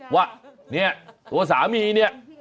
ว่าเนี่ยตัวสามีเนี่ย